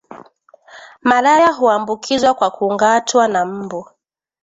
malaria huambukizwa kwa kungatwa na mbu